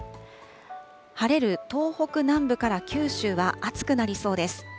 晴れる東北南部から九州は暑くなりそうです。